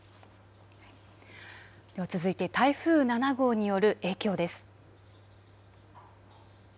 続いて台風７号による影響です。